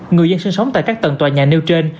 người dân sinh sống tại các tầng tòa nhà nêu trên